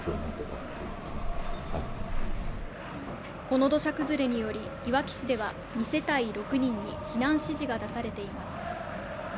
この土砂崩れにより、いわき市では２世帯６人に避難指示が出されています。